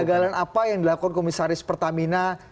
kegagalan apa yang dilakukan komisaris pertamina